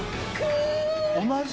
同じ？